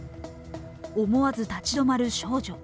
思わず立ち止まる少女。